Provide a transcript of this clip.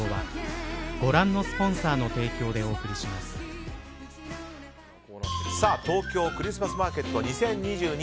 ＪＴ東京クリスマスマーケット２０２２。